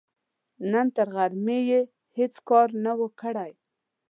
نن تر غرمې يې هيڅ کار نه و، کړی.